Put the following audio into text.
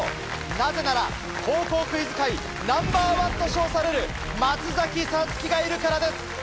なぜなら高校クイズ界Ｎｏ．１と称される松颯樹がいるからです。